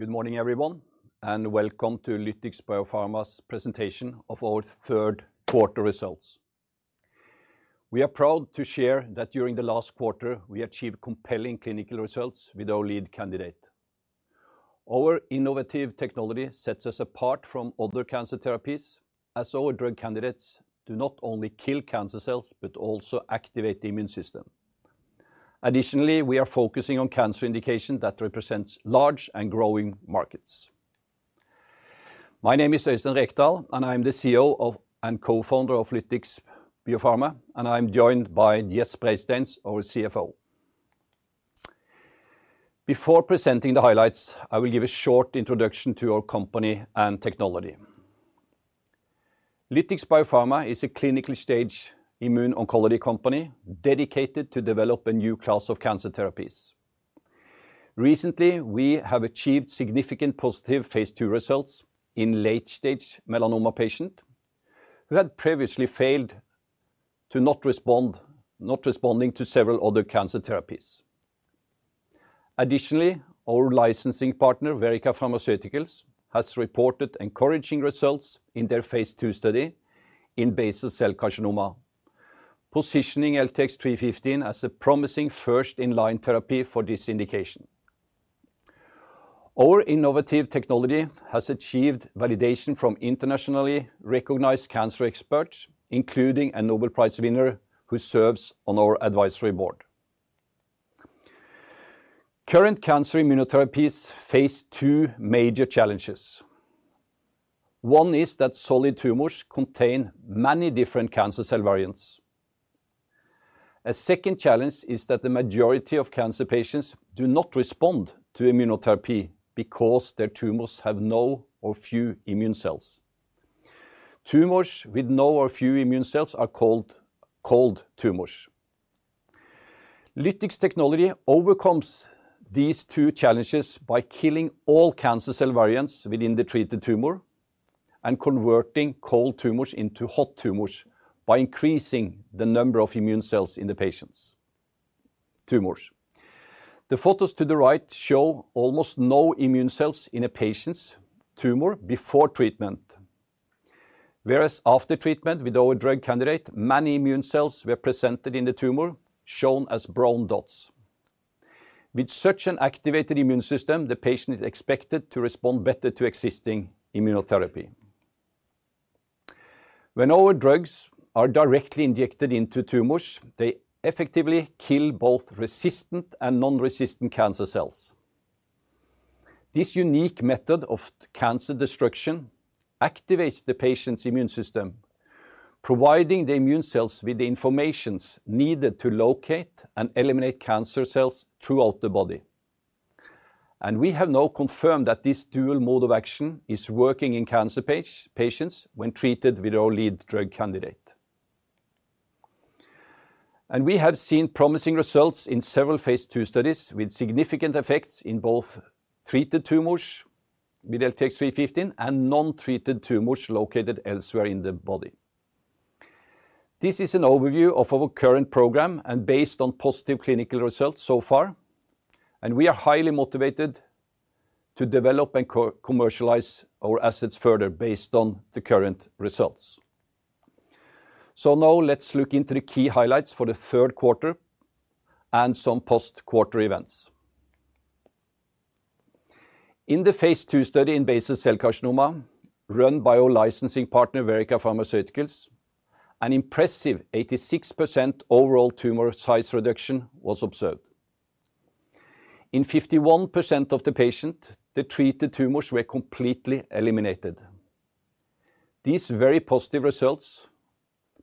Good morning, everyone, and welcome to Lytix Biopharma's presentation of our third quarter results. We are proud to share that during the last quarter, we achieved compelling clinical results with our lead candidate. Our innovative technology sets us apart from other cancer therapies, as our drug candidates do not only kill cancer cells but also activate the immune system. Additionally, we are focusing on cancer indications that represent large and growing markets. My name is Øystein Rekdal, and I am the CEO and co-founder of Lytix Biopharma, and I am joined by Gjest Breistein, our CFO. Before presenting the highlights, I will give a short introduction to our company and technology. Lytix Biopharma is a clinical-stage immuno-oncology company dedicated to developing a new class of cancer therapies. Recently, we have achieved significant positive phase II results in late-stage melanoma patients who had previously failed to respond to several other cancer therapies. Additionally, our licensing partner, Verrica Pharmaceuticals, has reported encouraging results in their phase II study in basal cell carcinoma, positioning LTX-315 as a promising first-in-line therapy for this indication. Our innovative technology has achieved validation from internationally recognized cancer experts, including a Nobel Prize winner who serves on our advisory board. Current cancer immunotherapies face two major challenges. One is that solid tumors contain many different cancer cell variants. A second challenge is that the majority of cancer patients do not respond to immunotherapy because their tumors have no or few immune cells. Tumors with no or few immune cells are called cold tumors. Lytix technology overcomes these two challenges by killing all cancer cell variants within the treated tumor and converting cold tumors into hot tumors by increasing the number of immune cells in the patient's tumors. The photos to the right show almost no immune cells in a patient's tumor before treatment, whereas after treatment with our drug candidate, many immune cells were present in the tumor, shown as brown dots. With such an activated immune system, the patient is expected to respond better to existing immunotherapy. When our drugs are directly injected into tumors, they effectively kill both resistant and non-resistant cancer cells. This unique method of cancer destruction activates the patient's immune system, providing the immune cells with the information needed to locate and eliminate cancer cells throughout the body. We have now confirmed that this dual mode of action is working in cancer patients when treated with our lead drug candidate. We have seen promising results in several phase II studies with significant effects in both treated tumors with LTX-315 and non-treated tumors located elsewhere in the body. This is an overview of our current program and based on positive clinical results so far, and we are highly motivated to develop and commercialize our assets further based on the current results. Now let's look into the key highlights for the third quarter and some post-quarter events. In the phase II study in basal cell carcinoma, run by our licensing partner, Verrica Pharmaceuticals, an impressive 86% overall tumor size reduction was observed. In 51% of the patients, the treated tumors were completely eliminated. These very positive results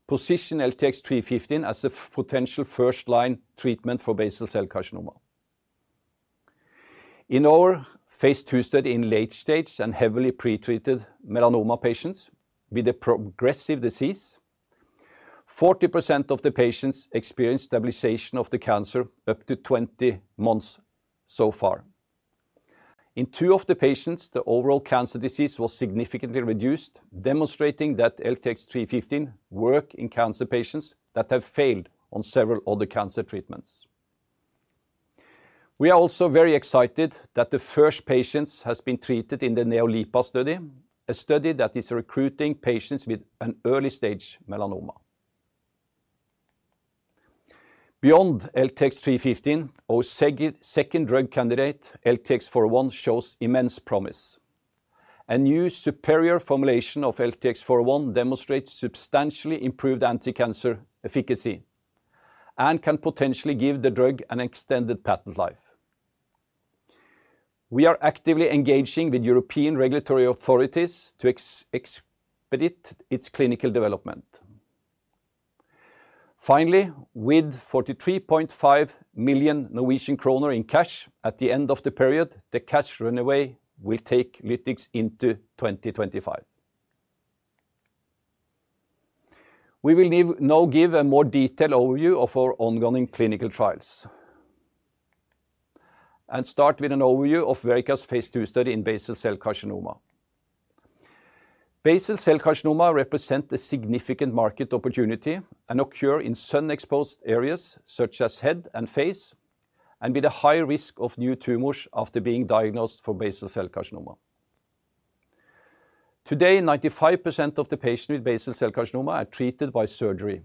position LTX-315 as a potential first-line treatment for basal cell carcinoma. In our phase II study in late-stage and heavily pretreated melanoma patients with a progressive disease, 40% of the patients experienced stabilization of the cancer up to 20 months so far. In two of the patients, the overall cancer disease was significantly reduced, demonstrating that LTX-315 worked in cancer patients that have failed on several other cancer treatments. We are also very excited that the first patient has been treated in the NeoLIPA study, a study that is recruiting patients with an early-stage melanoma. Beyond LTX-315, our second drug candidate, LTX-401, shows immense promise. A new superior formulation of LTX-401 demonstrates substantially improved anti-cancer efficacy and can potentially give the drug an extended patent life. We are actively engaging with European regulatory authorities to expedite its clinical development. Finally, with 43.5 million Norwegian kroner in cash at the end of the period, the cash runway will take Lytix into 2025. We will now give a more detailed overview of our ongoing clinical trials and start with an overview of Verrica's phase II study in basal cell carcinoma. Basal cell carcinoma represents a significant market opportunity and occurs in sun-exposed areas such as head and face, and with a high risk of new tumors after being diagnosed for basal cell carcinoma. Today, 95% of the patients with basal cell carcinoma are treated by surgery.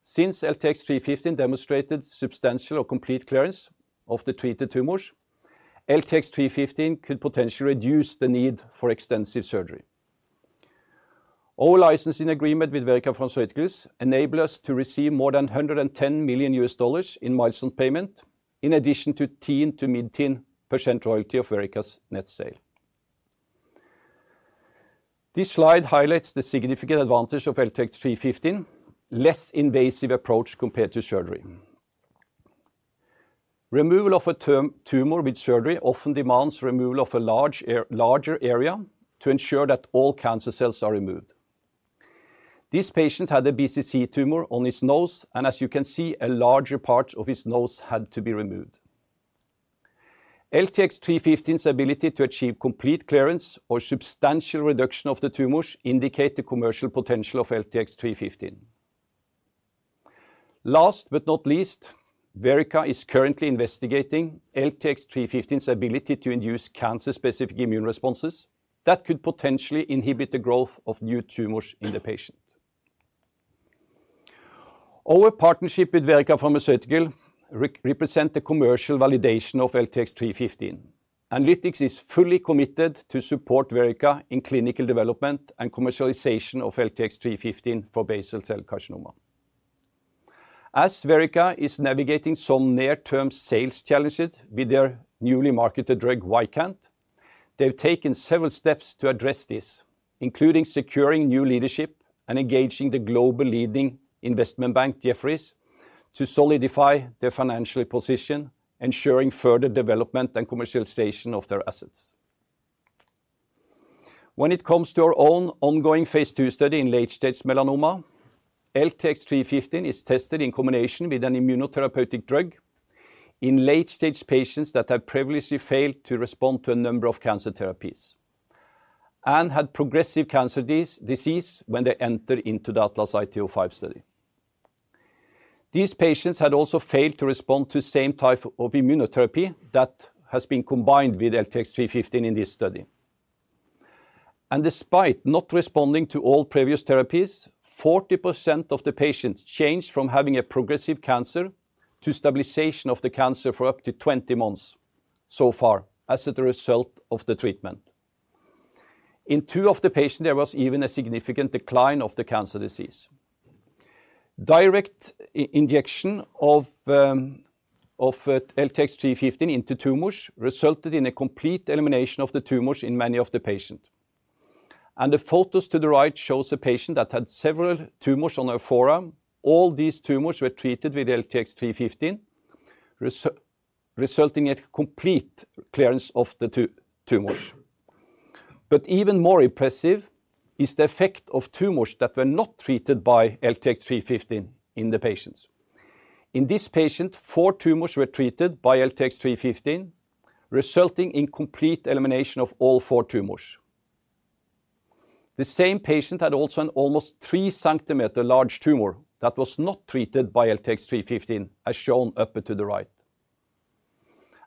Since LTX-315 demonstrated substantial or complete clearance of the treated tumors, LTX-315 could potentially reduce the need for extensive surgery. Our licensing agreement with Verrica Pharmaceuticals enables us to receive more than $110 million in milestone payment, in addition to 10% to mid-10% royalty of Verrica's net sale. This slide highlights the significant advantage of LTX-315: less invasive approach compared to surgery. Removal of a tumor with surgery often demands removal of a larger area to ensure that all cancer cells are removed. This patient had a BCC tumor on his nose, and as you can see, a larger part of his nose had to be removed. LTX-315's ability to achieve complete clearance or substantial reduction of the tumors indicates the commercial potential of LTX-315. Last but not least, Verrica is currently investigating LTX-315's ability to induce cancer-specific immune responses that could potentially inhibit the growth of new tumors in the patient. Our partnership with Verrica Pharmaceuticals represents the commercial validation of LTX-315, and Lytix is fully committed to supporting Verrica in clinical development and commercialization of LTX-315 for basal cell carcinoma. As Verrica is navigating some near-term sales challenges with their newly marketed drug, YCANTH, they have taken several steps to address this, including securing new leadership and engaging the global leading investment bank, Jefferies, to solidify their financial position, ensuring further development and commercialization of their assets. When it comes to our own ongoing phase II study in late-stage melanoma, LTX-315 is tested in combination with an immunotherapeutic drug in late-stage patients that have previously failed to respond to a number of cancer therapies and had progressive cancer disease when they enter into the ATLAS-IT-05 study. These patients had also failed to respond to the same type of immunotherapy that has been combined with LTX-315 in this study. Despite not responding to all previous therapies, 40% of the patients changed from having a progressive cancer to stabilization of the cancer for up to 20 months so far as a result of the treatment. In two of the patients, there was even a significant decline of the cancer disease. Direct injection of LTX-315 into tumors resulted in a complete elimination of the tumors in many of the patients. The photos to the right show a patient that had several tumors on her forearm. All these tumors were treated with LTX-315, resulting in complete clearance of the tumors. Even more impressive is the effect of tumors that were not treated by LTX-315 in the patients. In this patient, four tumors were treated by LTX-315, resulting in complete elimination of all four tumors. The same patient had also an almost 3cm large tumor that was not treated by LTX-315, as shown up to the right.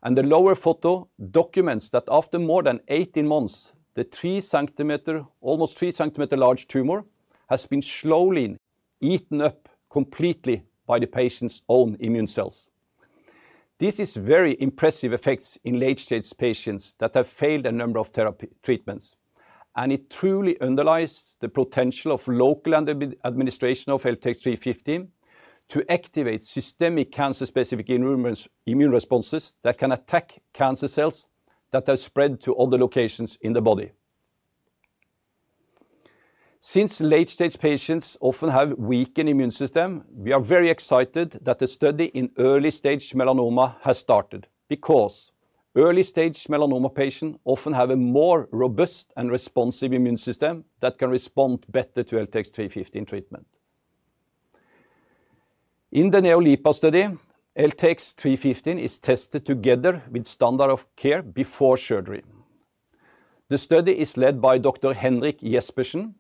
And the lower photo documents that after more than 18 months, the almost 3cm large tumor has been slowly eaten up completely by the patient's own immune cells. This is very impressive effects in late-stage patients that have failed a number of treatments. And it truly underlies the potential of local administration of LTX-315 to activate systemic cancer-specific immune responses that can attack cancer cells that have spread to other locations in the body. Since late-stage patients often have a weakened immune system, we are very excited that the study in early-stage melanoma has started because early-stage melanoma patients often have a more robust and responsive immune system that can respond better to LTX-315 treatment. In the NeoLIPA study, LTX-315 is tested together with standard of care before surgery. The study is led by Dr. Henrik Jespersen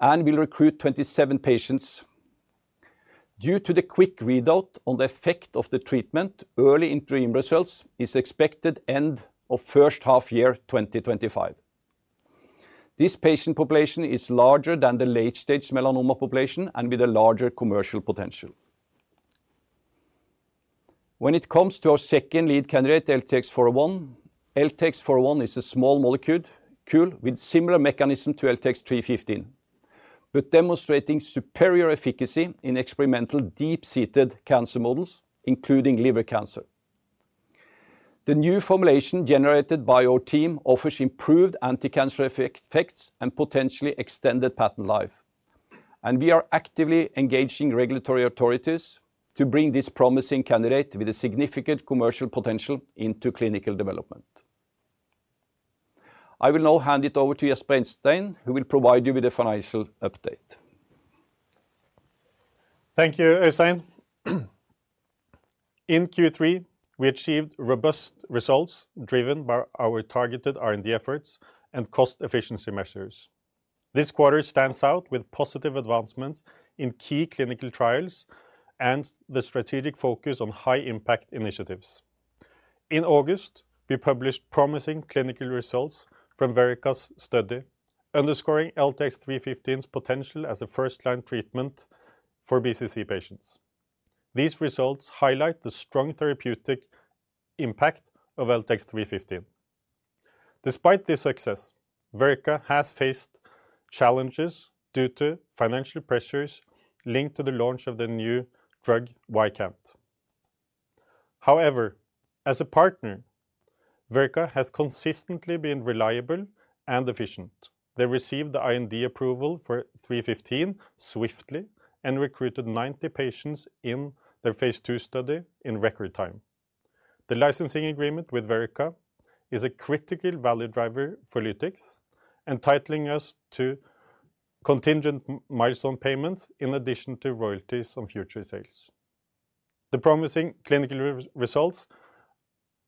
and will recruit 27 patients. Due to the quick readout on the effect of the treatment, early interim results are expected at the end of the first half year of 2025. This patient population is larger than the late-stage melanoma population and with a larger commercial potential. When it comes to our second lead candidate, LTX-401, LTX-401 is a small molecule with a similar mechanism to LTX-315, but demonstrating superior efficacy in experimental deep-seated cancer models, including liver cancer. The new formulation generated by our team offers improved anti-cancer effects and potentially extended patent life, and we are actively engaging regulatory authorities to bring this promising candidate with a significant commercial potential into clinical development. I will now hand it over to Gjest Breistein, who will provide you with a financial update. Thank you, Øystein. In Q3, we achieved robust results driven by our targeted R&D efforts and cost efficiency measures. This quarter stands out with positive advancements in key clinical trials and the strategic focus on high-impact initiatives. In August, we published promising clinical results from Verrica's study underscoring LTX-315's potential as a first-line treatment for BCC patients. These results highlight the strong therapeutic impact of LTX-315. Despite this success, Verrica has faced challenges due to financial pressures linked to the launch of the new drug, YCANTH. However, as a partner, Verrica has consistently been reliable and efficient. They received the IND approval for 315 swiftly and recruited 90 patients in their phase II study in record time. The licensing agreement with Verrica is a critical value driver for Lytix, entitling us to contingent milestone payments in addition to royalties on future sales. The promising clinical results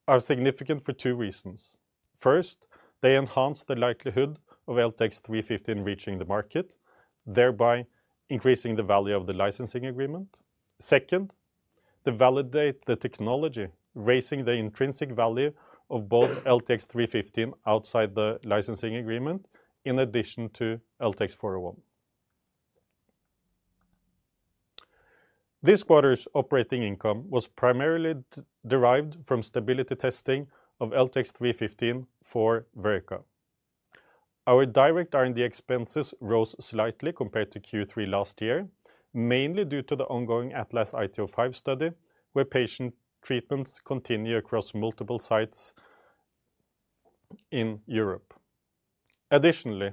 are significant for two reasons. First, they enhance the likelihood of LTX-315 reaching the market, thereby increasing the value of the licensing agreement. Second, they validate the technology, raising the intrinsic value of both LTX-315 outside the licensing agreement in addition to LTX-401. This quarter's operating income was primarily derived from stability testing of LTX-315 for Verrica. Our direct R&D expenses rose slightly compared to Q3 last year, mainly due to the ongoing ATLAS-IT-05 study, where patient treatments continue across multiple sites in Europe. Additionally,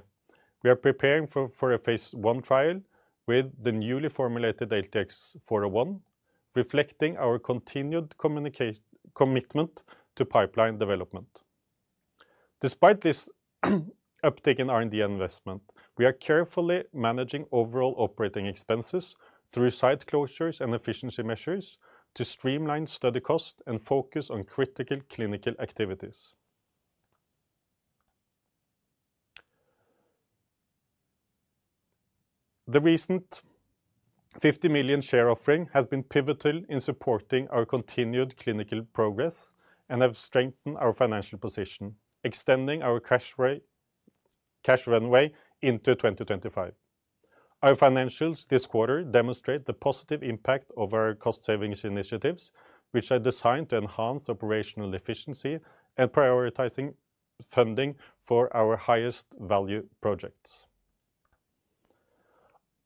we are preparing for a phase I trial with the newly formulated LTX-401, reflecting our continued commitment to pipeline development. Despite this uptake in R&D investment, we are carefully managing overall operating expenses through site closures and efficiency measures to streamline study costs and focus on critical clinical activities. The recent 50 million share offering has been pivotal in supporting our continued clinical progress and has strengthened our financial position, extending our cash runway into 2025. Our financials this quarter demonstrate the positive impact of our cost-savings initiatives, which are designed to enhance operational efficiency and prioritize funding for our highest-value projects.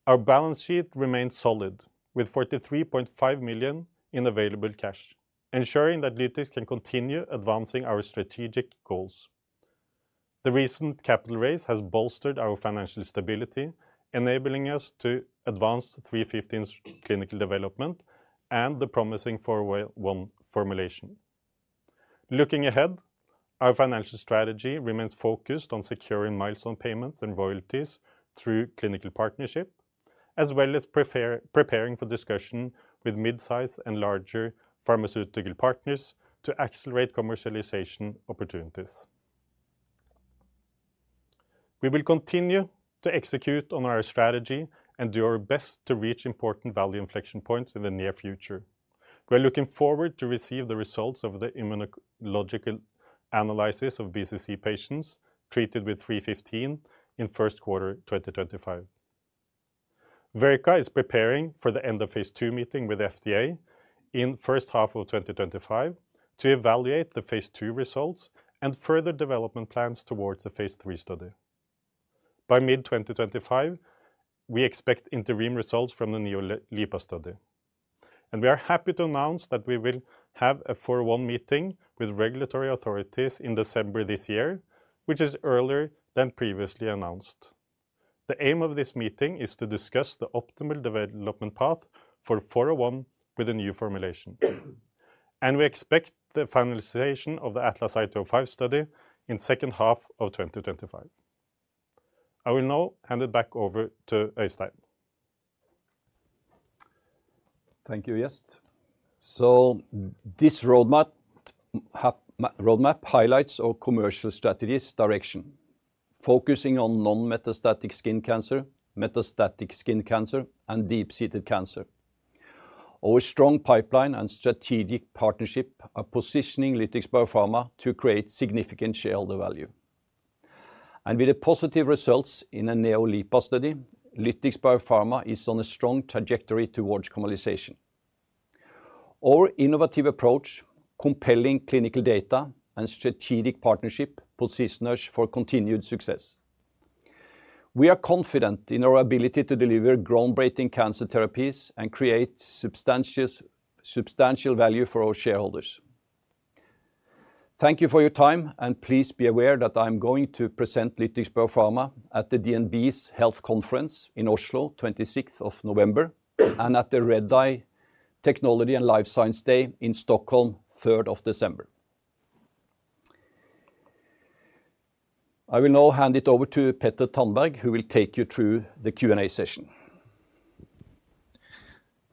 Our balance sheet remains solid, with 43.5 million in available cash, ensuring that Lytix can continue advancing our strategic goals. The recent capital raise has bolstered our financial stability, enabling us to advance LTX-315's clinical development and the promising LTX-401 formulation. Looking ahead, our financial strategy remains focused on securing milestone payments and royalties through clinical partnership, as well as preparing for discussion with mid-size and larger pharmaceutical partners to accelerate commercialization opportunities. We will continue to execute on our strategy and do our best to reach important value inflection points in the near future. We are looking forward to receiving the results of the immunological analysis of BCC patients treated with 315 in the first quarter of 2025. Verrica is preparing for the end of phase II meeting with the FDA in the first half of 2025 to evaluate the phase II results and further development plans towards the phase III study. By mid-2025, we expect interim results from the NeoLIPA study. We are happy to announce that we will have a 401 meeting with regulatory authorities in December this year, which is earlier than previously announced. The aim of this meeting is to discuss the optimal development path for 401 with a new formulation, and we expect the finalization of the ATLAS-IT-05 study in the second half of 2025. I will now hand it back over to Øystein. Thank you, Gjest, so this roadmap highlights our commercial strategy's direction, focusing on non-metastatic skin cancer, metastatic skin cancer, and deep-seated cancer. Our strong pipeline and strategic partnership are positioning Lytix Biopharma to create significant shareholder value, and with the positive results in the NeoLIPA study, Lytix Biopharma is on a strong trajectory towards commercialization. Our innovative approach, compelling clinical data, and strategic partnership position us for continued success. We are confident in our ability to deliver groundbreaking cancer therapies and create substantial value for our shareholders. Thank you for your time, and please be aware that I am going to present Lytix Biopharma at the DNB's Health Conference in Oslo on the 26th of November and at the Redeye Technology and Life Science Day in Stockholm on the 3rd of December. I will now hand it over to Petter Tandberg, who will take you through the Q&A session.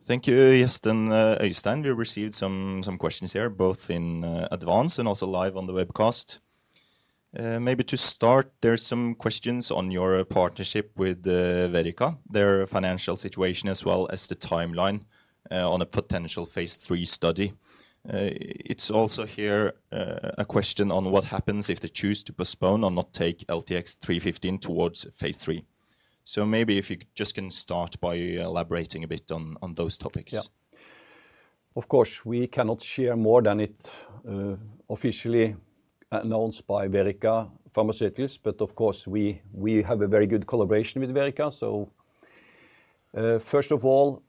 Thank you, Øystein. We received some questions here, both in advance and also live on the webcast. Maybe to start, there are some questions on your partnership with Verrica, their financial situation, as well as the timeline on a potential phase III study. It's also here a question on what happens if they choose to postpone or not take LTX-315 towards phase III. So maybe if you just can start by elaborating a bit on those topics. Of course, we cannot share more than it was officially announced by Verrica Pharmaceuticals, but of course, we have a very good collaboration with Verrica. So first of all,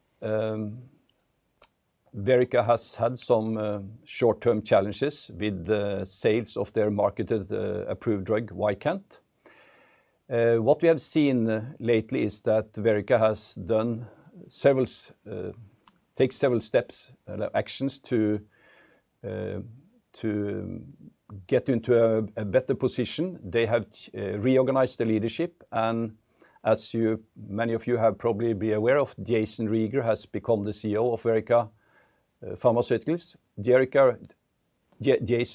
Verrica has had some short-term challenges with the sales of their marketed approved drug, YCANTH. What we have seen lately is that Verrica has taken several steps and actions to get into a better position. They have reorganized the leadership, and as many of you have probably been aware of, Jayson Rieger has become the CEO of Verrica Pharmaceuticals. Jayson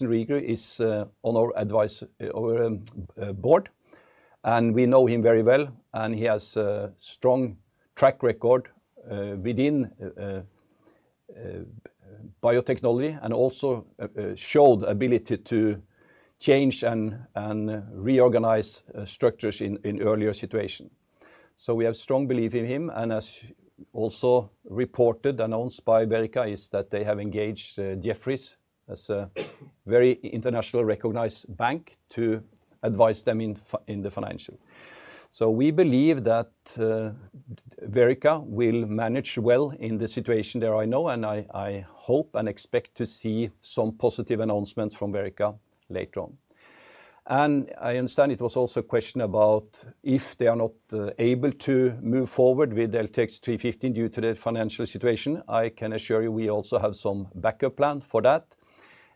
Rieger is on our advisory board, and we know him very well, and he has a strong track record within biotechnology and also showed the ability to change and reorganize structures in earlier situations, so we have strong belief in him. As also reported and announced by Verrica, is that they have engaged Jefferies as a very internationally recognized bank to advise them in the financial. We believe that Verrica will manage well in the situation they are in now. I hope and expect to see some positive announcements from Verrica later on. I understand it was also a question about if they are not able to move forward with LTX-315 due to their financial situation. I can assure you we also have some backup plan for that.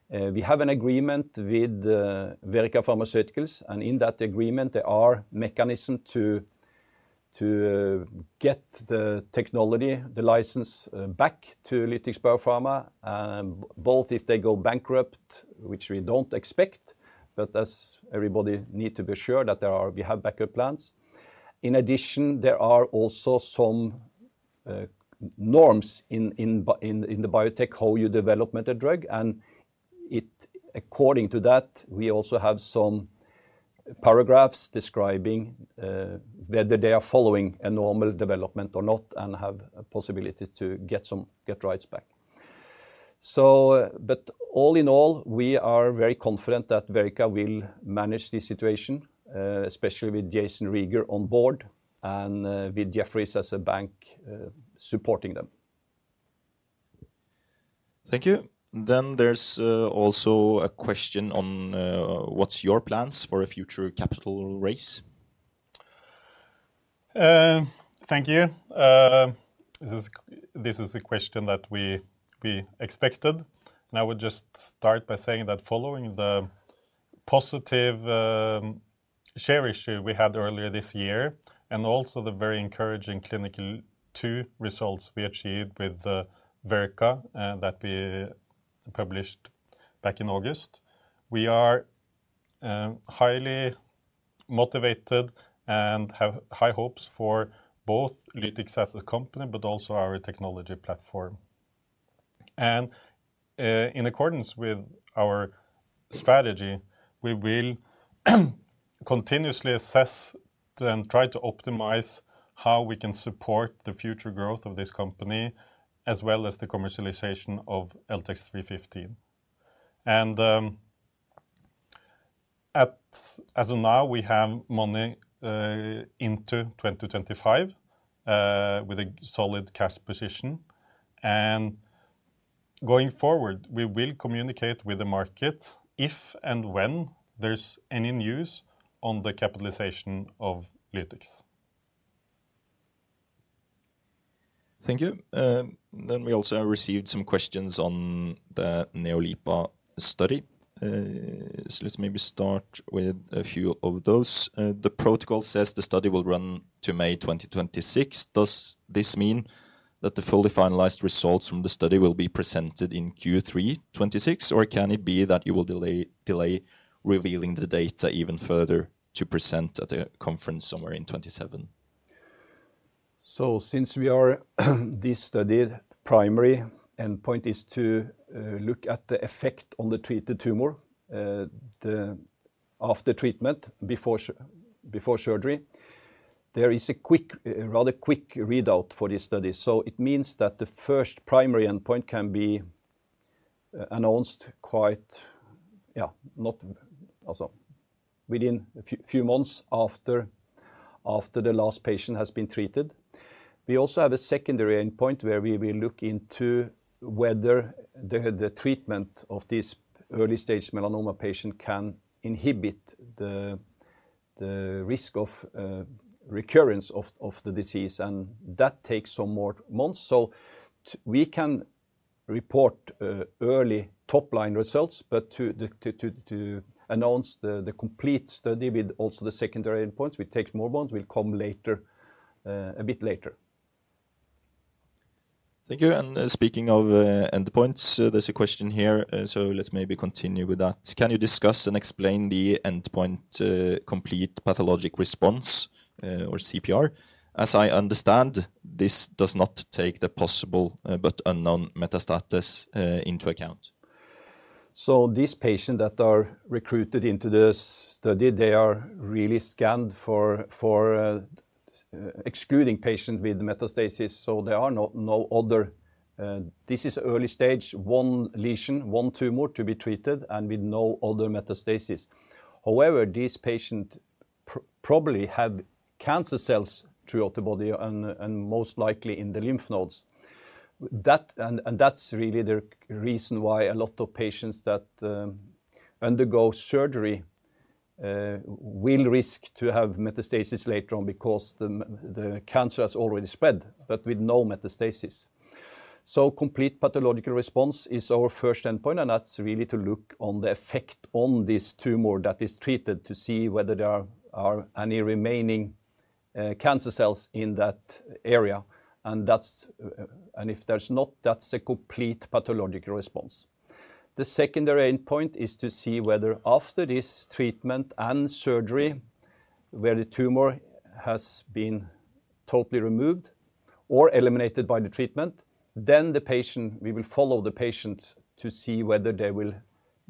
We have an agreement with Verrica Pharmaceuticals. In that agreement, there are mechanisms to get the technology, the license back to Lytix Biopharma, both if they go bankrupt, which we don't expect. Everybody needs to be sure that we have backup plans. In addition, there are also some norms in the biotech, how you develop a drug, and according to that, we also have some paragraphs describing whether they are following a normal development or not and have a possibility to get rights back, but all in all, we are very confident that Verrica will manage this situation, especially with Jayson Rieger on board and with Gjest Breistein as a bank supporting them. Thank you, then there's also a question on what's your plans for a future capital raise. Thank you. This is a question that we expected. I would just start by saying that following the positive share issue we had earlier this year and also the very encouraging clinical II results we achieved with Verrica that we published back in August, we are highly motivated and have high hopes for both Lytix as a company, but also our technology platform. In accordance with our strategy, we will continuously assess and try to optimize how we can support the future growth of this company, as well as the commercialization of LTX-315. As of now, we have money into 2025 with a solid cash position. Going forward, we will communicate with the market if and when there's any news on the capitalization of Lytix. Thank you. We also received some questions on the NeoLIPA study. Let's maybe start with a few of those. The protocol says the study will run to May 2026. Does this mean that the fully finalized results from the study will be presented in Q3 2026? Or can it be that you will delay revealing the data even further to present at a conference somewhere in 2027? So since we are this study, the primary endpoint is to look at the effect on the treated tumor after treatment, before surgery. There is a rather quick readout for this study. So it means that the first primary endpoint can be announced quite, yeah, not within a few months after the last patient has been treated. We also have a secondary endpoint where we will look into whether the treatment of this early-stage melanoma patient can inhibit the risk of recurrence of the disease. And that takes some more months. So we can report early top-line results. But to announce the complete study with also the secondary endpoints, it takes more months. We'll come a bit later. Thank you. And speaking of endpoints, there's a question here. So let's maybe continue with that. Can you discuss and explain the endpoint complete pathological response, or CPR? As I understand, this does not take the possible but unknown metastasis into account. So these patients that are recruited into this study, they are really scanned for excluding patients with metastasis. So there are no other. This is early-stage one lesion, one tumor to be treated and with no other metastasis. However, these patients probably have cancer cells throughout the body and most likely in the lymph nodes. And that's really the reason why a lot of patients that undergo surgery will risk to have metastasis later on because the cancer has already spread, but with no metastasis. Complete pathological response is our first endpoint. That's really to look on the effect on this tumor that is treated to see whether there are any remaining cancer cells in that area. If there's not, that's a complete pathological response. The secondary endpoint is to see whether after this treatment and surgery, where the tumor has been totally removed or eliminated by the treatment, then we will follow the patients to see whether they will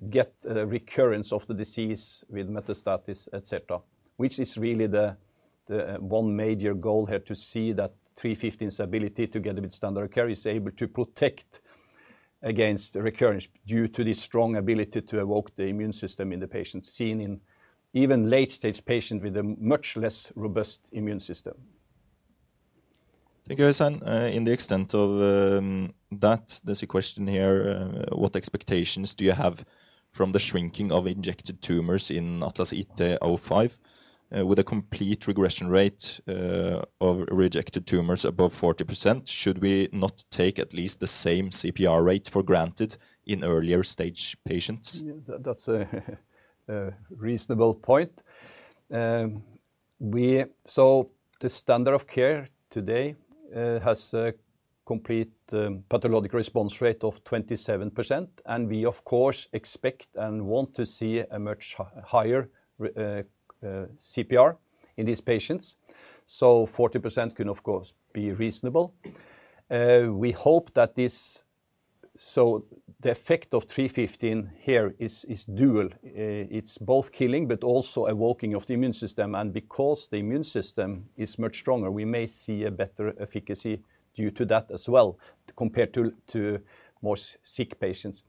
get a recurrence of the disease with metastasis, et cetera, which is really the one major goal here to see that 315's ability together with standard of care is able to protect against recurrence due to the strong ability to evoke the immune system in the patients seen in even late-stage patients with a much less robust immune system. Thank you, Øystein. In the extent of that, there's a question here. What expectations do you have from the shrinking of injected tumors in ATLAS-IT-05 with a complete regression rate of injected tumors above 40%? Should we not take at least the same CPR rate for granted in earlier-stage patients? That's a reasonable point. So the standard of care today has a complete pathological response rate of 27%. And we, of course, expect and want to see a much higher CPR in these patients. So 40% could, of course, be reasonable. We hope that this so the effect of 315 here is dual. It's both killing, but also evoking of the immune system. And because the immune system is much stronger, we may see a better efficacy due to that as well compared to more sick patients.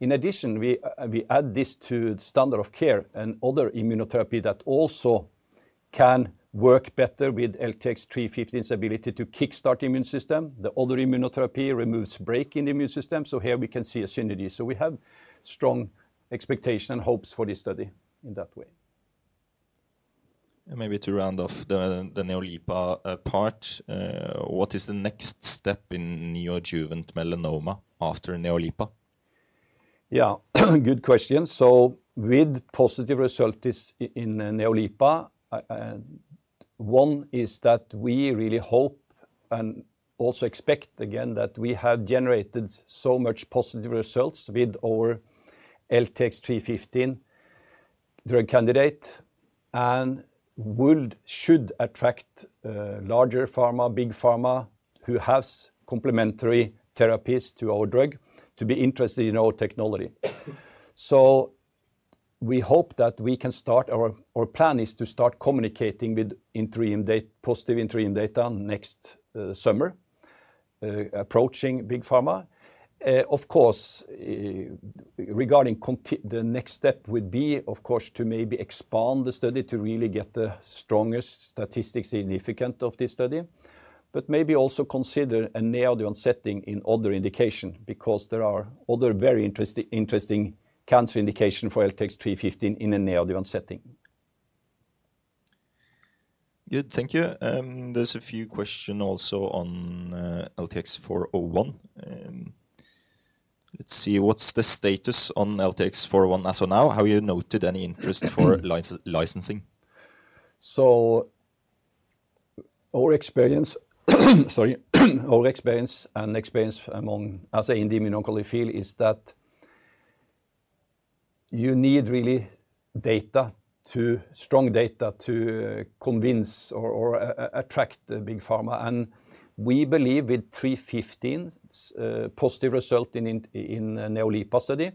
In addition, we add this to the standard of care and other immunotherapy that also can work better with LTX-315's ability to kickstart the immune system. The other immunotherapy removes break in the immune system. So here we can see a synergy. So we have strong expectations and hopes for this study in that way. And maybe to round off the NeoLIPA part, what is the next step in neoadjuvant melanoma after NeoLIPA? Yeah, good question. So with positive results in NeoLIPA, one is that we really hope and also expect, again, that we have generated so much positive results with our LTX-315 drug candidate and should attract larger pharma, big pharma who have complementary therapies to our drug to be interested in our technology. So we hope that we can start our plan is to start communicating with interim positive interim data next summer, approaching big pharma. Of course, regarding the next step would be, of course, to maybe expand the study to really get the strongest statistics significant of this study. But maybe also consider a neoadjuvant setting in other indication because there are other very interesting cancer indications for LTX-315 in a neoadjuvant setting. Good. Thank you. There's a few questions also on LTX-401. Let's see. What's the status on LTX-401 as of now? Have you noted any interest for licensing? So our experience and experience among, as I in the immunology field, is that you need really data, strong data to convince or attract the big pharma. We believe with LTX-315, positive result in a NeoLIPA study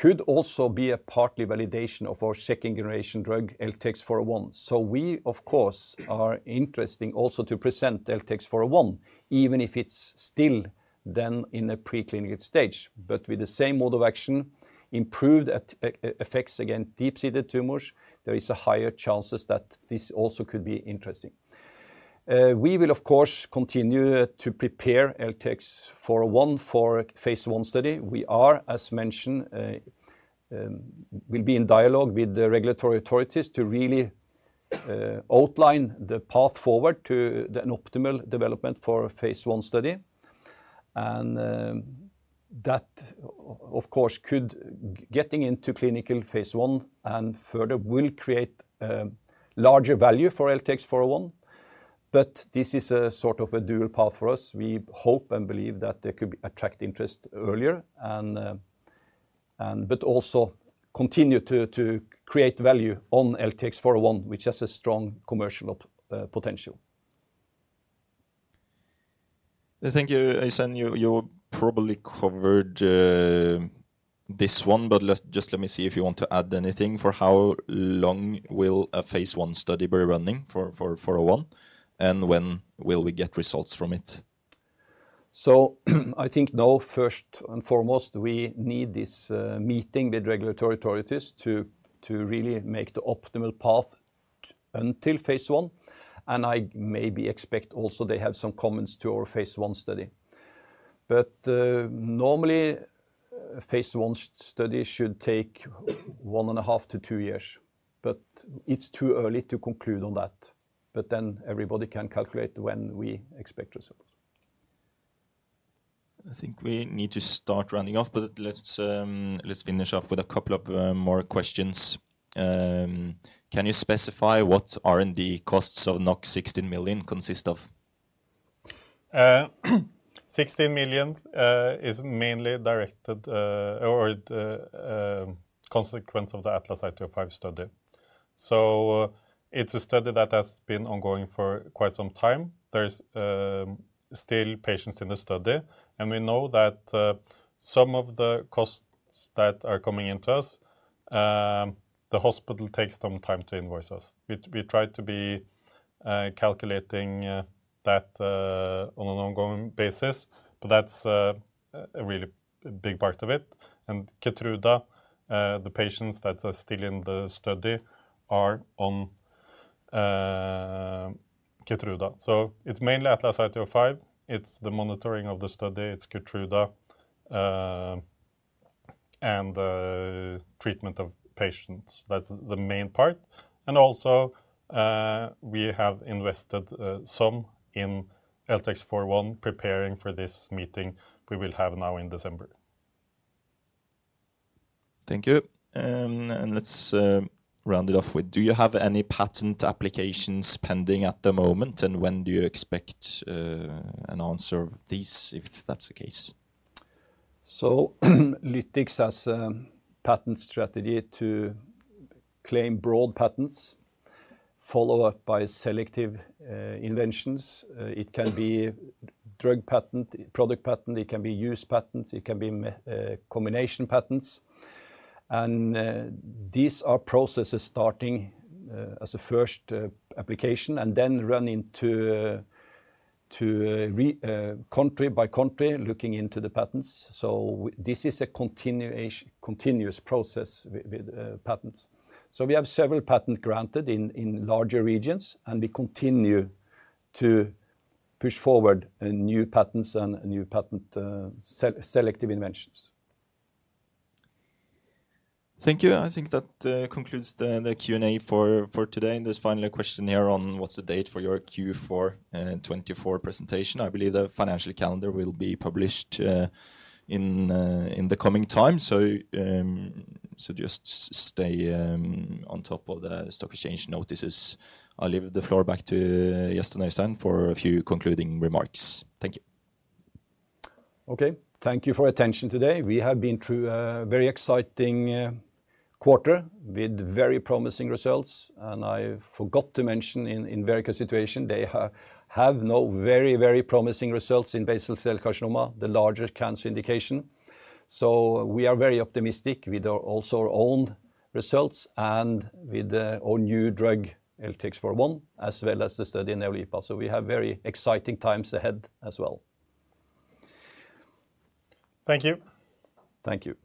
could also be a partly validation of our second-generation drug, LTX-401. So we, of course, are interesting also to present LTX-401, even if it's still then in a pre-clinical stage. But with the same mode of action, improved effects against deep-seated tumors, there is a higher chance that this also could be interesting. We will, of course, continue to prepare LTX-401 for phase one study. We are, as mentioned, will be in dialogue with the regulatory authorities to really outline the path forward to an optimal development for phase I study. And that, of course, could getting into clinical phase I and further will create larger value for LTX-401. But this is a sort of a dual path for us. We hope and believe that there could be attract interest earlier, but also continue to create value on LTX-401, which has a strong commercial potential. Thank you, Øystein. You probably covered this one, but just let me see if you want to add anything. For how long will a phase one study be running for 401? And when will we get results from it, so I think now, first and foremost, we need this meeting with regulatory authorities to really make the optimal path until phase I, and I maybe expect also they have some comments to our phase I study, but normally, phase I study should take one and a half to two years, but it's too early to conclude on that, but then everybody can calculate when we expect results. I think we need to start rounding off, but let's finish up with a couple of more questions. Can you specify what R&D costs of 16 million consist of? 16 million is mainly directed or a consequence of the ATLAS-IT-05 study. So it's a study that has been ongoing for quite some time. There's still patients in the study. And we know that some of the costs that are coming into us, the hospital takes some time to invoice us. We try to be calculating that on an ongoing basis, but that's a really big part of it. And Keytruda, the patients that are still in the study are on Keytruda. So it's mainly ATLAS-IT-05. It's the monitoring of the study. It's Keytruda and treatment of patients. That's the main part. And also, we have invested some in LTX-401 preparing for this meeting we will have now in December. Thank you. And let's round it off with, do you have any patent applications pending at the moment? And when do you expect an answer of these if that's the case? Lytix has a patent strategy to claim broad patents, followed up by selective inventions. It can be drug patent, product patent. It can be use patents. It can be combination patents. And these are processes starting as a first application and then running to country by country looking into the patents. So this is a continuous process with patents. So we have several patents granted in larger regions. And we continue to push forward new patents and new patent selective inventions. Thank you. I think that concludes the Q&A for today. There's finally a question here on what's the date for your Q4 2024 presentation. I believe the financial calendar will be published in the coming time. So just stay on top of the stock exchange notices. I'll leave the floor back to Øystein for a few concluding remarks. Thank you. Okay. Thank you for your attention today. We have been through a very exciting quarter with very promising results. And I forgot to mention in a very good situation, they have now very, very promising results in basal cell carcinoma, the larger cancer indication. So we are very optimistic with also our own results and with our new drug, LTX-401, as well as the study in NeoLIPA. So we have very exciting times ahead as well. Thank you. Thank you.